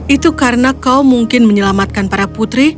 itu karena kau mungkin menyelamatkan para putri